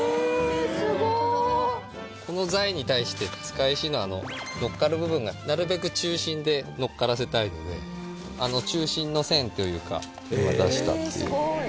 この材に対して束石ののっかる部分がなるべく中心でのっからせたいので中心の線というか今出したっていう。